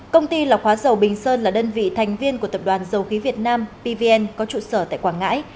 công ty lọc hóa dầu bình sơn là đơn vị thành viên của tập đoàn dầu khí việt nam pvn có trụ sở tại quảng ngãi